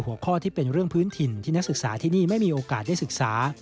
หัวข้อที่เป็นเรื่องพื้นถิ่นที่นักศึกษาที่นี่ไม่มีโอกาสได้ศึกษา